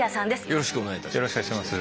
よろしくお願いします。